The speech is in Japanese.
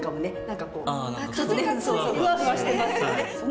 何かこうふわふわしてますよね。